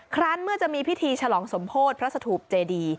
ครั้งเมื่อจะมีพิธีฉลองสมโพธิพระสถูปเจดี